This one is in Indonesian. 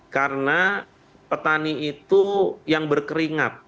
karena petani itu yang berkeringat